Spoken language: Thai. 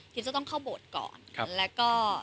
จะต้องเข้าโบสถ์ก่อนแล้วก็